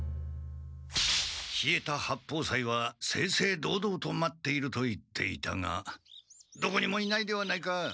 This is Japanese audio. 稗田八方斎は正々堂々と待っていると言っていたがどこにもいないではないか。